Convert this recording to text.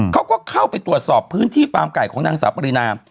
เขาก็เข้าไปตรวจสอบพื้นที่ฟาร์มไก่ของนางสาวปรินา